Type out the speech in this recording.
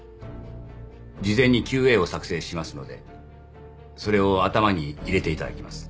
事前にＱＡを作成しますのでそれを頭に入れていただきます。